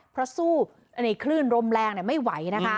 เพราะสู้ในคลื่นลมแรงไม่ไหวนะคะ